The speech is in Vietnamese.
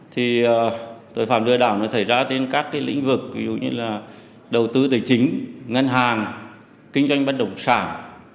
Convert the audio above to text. thì tội phạm lừa đảo nó xảy ra trên các cái lĩnh vực ví dụ như là đầu tư tài chính ngân hàng kinh doanh bất động sản